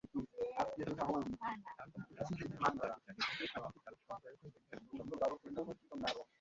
Album প্রসঙ্গে সংগীতশিল্পী রাজিব জানিয়েছেন, অ্যালবামটির গানের সংগীতায়োজন ভিন্ন এবং চমৎকার হয়েছে।